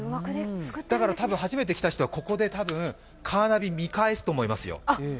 だから、初めて来た人はここで多分カーナビを見返すと思います。